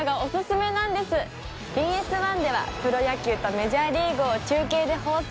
ＢＳ１ではプロ野球とメジャーリーグを中継で放送。